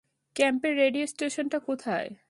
ক্যাম্পের রেডিও স্টেশনটা কোথায়?